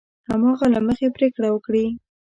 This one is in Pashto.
هماغه له مخې پرېکړه وکړي.